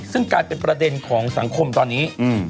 ซึ่งกลายเป็นประเด็นของสังคมตอนนี้